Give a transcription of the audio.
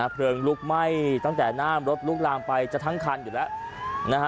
เพลิงลุกไหม้ตั้งแต่หน้ารถลุกลามไปจะทั้งคันอยู่แล้วนะฮะ